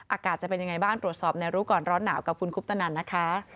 อากาศจะเป็นยังไงบ้างตรวจสอบในรู้ก่อนร้อนหนาวกับคุณคุปตนันนะคะ